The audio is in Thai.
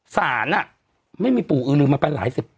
ศาลไม่มีปู่อือลืมมาไปหลายสิบ